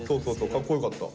かっこよかった。